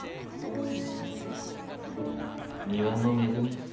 庭の恵み。